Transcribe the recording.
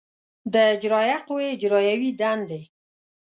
د اجرایه قوې اجرایوې دندې